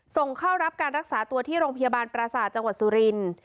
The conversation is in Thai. ส่งเข้ารับการรักษาตัวที่โรงพยาบาลประสาทจังหวัดสุรินทร์